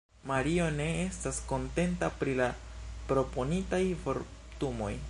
Mario ne estas kontenta pri la proponitaj vortumoj.